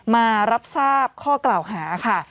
มารับทราบข้อกล่าวหาค่ะ